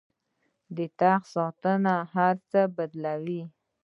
د تخت ساتنه هر څه بدلوي.